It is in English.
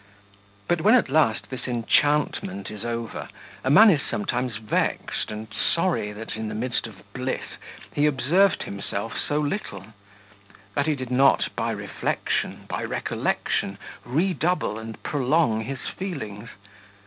But when, at last, this 'enchantment' is over, a man is sometimes vexed and sorry that, in the midst of his bliss, he observed himself so little; that he did not, by reflection, by recollection, redouble and prolong his feelings